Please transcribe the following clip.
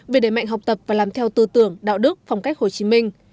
về đẩy mạnh học tập và làm theo tư tưởng đạo đức phong cách hồ chí minh